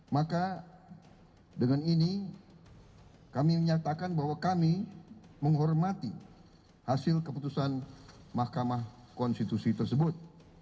maka dengan ini kami menyatakan bahwa kami menghormati hasil keputusan mahkamah konstitusi tersebut